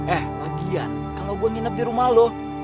eh lagian kalau gue nginep di rumah lo